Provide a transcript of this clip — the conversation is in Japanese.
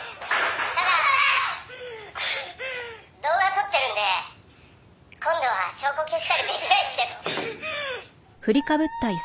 「ただ動画撮ってるんで今度は証拠消したりできないっすけど」